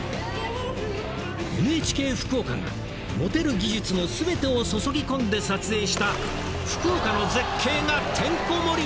ＮＨＫ福岡が持てる技術の全てを注ぎ込んで撮影した「福岡の絶景」がてんこ盛り！